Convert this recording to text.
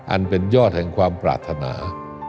อันเป็นยอดแห่งความปรารถนา